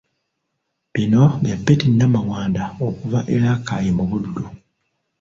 Bino bya Betty Namawanda okuva e Rakai mu Buddu.